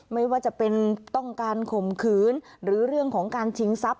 ไม่ว่าจะเป็นต้องการข่มขืนหรือเรื่องของการชิงทรัพย